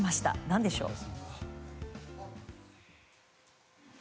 何でしょう？